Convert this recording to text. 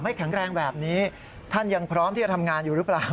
แข็งแรงแบบนี้ท่านยังพร้อมที่จะทำงานอยู่หรือเปล่า